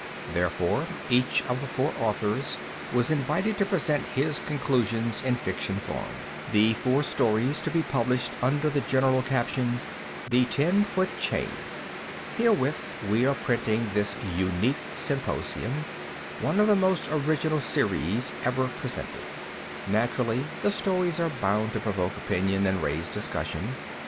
Therefore, each of the four authors was invited to present his conclusions in fiction form, the four stories to be published under the general caption "The Ten Foot Chain." Herewith we are printing this unique symposium, one of the most original series ever presented. Naturally, the stories are bound to provoke opinion and raise discussion.